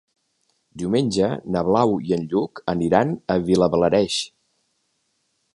Diumenge na Blau i en Lluc aniran a Vilablareix.